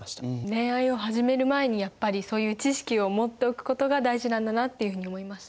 恋愛を始める前にやっぱりそういう知識を持っておくことが大事なんだなっていうふうに思いました。